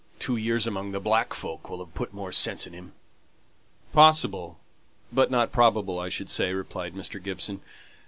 Two years among the black folk will have put more sense in him." "Possible, but not probable, I should say," replied Mr. Gibson.